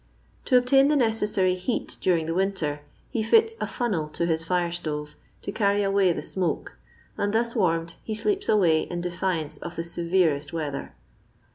To obtain the necessary heat during the winter, he fits a funnel to his fi^ stove to carry away the smoke, and thus warmed he sleeps away in defiance of the severest weather.